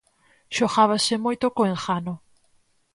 Xogábase moito co engano.